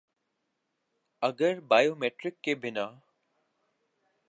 اگر biometric کے بنا